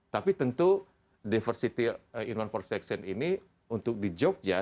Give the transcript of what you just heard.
tapi tentu diversity in one perspection ini untuk di jogja